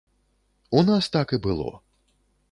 У нас так і было.